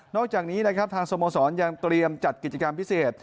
อกจากนี้นะครับทางสโมสรยังเตรียมจัดกิจกรรมพิเศษ